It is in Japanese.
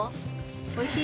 おいしい？